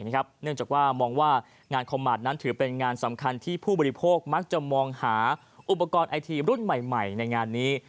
เนื่องจากว่ามองว่างานคอมมาตรนั้นถือเป็นงานสำคัญที่ผู้บริโภคมักจะมองหาอุปกรณ์ไอทีมรุ่นใหม่ในงานนี้